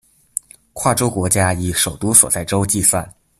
跨洲国家以首都所在洲计算。